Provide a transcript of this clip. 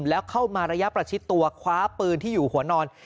แล้วเข้ามาระยะประชิดตัวคว้าปืนที่อยู่หัวนอน